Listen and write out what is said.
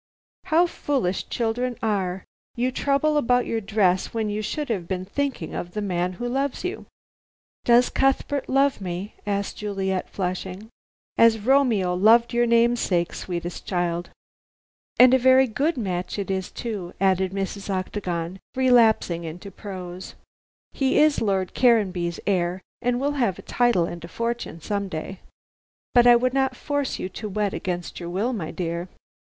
"How foolish children are. You trouble about your dress when you should have been thinking of the man who loves you." "Does Cuthbert love me?" asked Juliet, flushing. "As Romeo loved your namesake, sweetest child. And a very good match it is too," added Mrs. Octagon, relapsing into prose. "He is Lord Caranby's heir, and will have a title and a fortune some day. But I would not force you to wed against your will, my dear."